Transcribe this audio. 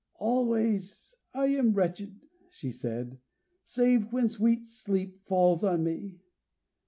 "Always am I wretched," she said, "save when sweet sleep falls on me.